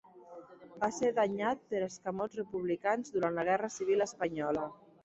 Va ser danyat per escamots republicans durant la Guerra Civil espanyola.